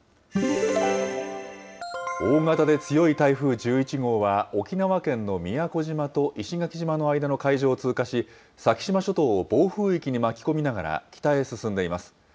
大型で強い台風１１号は、沖縄県の宮古島と石垣島の間の海上を通過し、先島諸島を暴風域に巻き込みながら、北へ進んでいます。